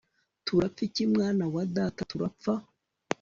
turapfa iki mwana wa data ? turapfa